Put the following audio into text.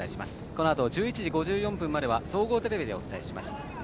このあと１１時５４分までは総合テレビでお伝えします。